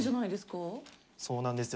そうなんですよ。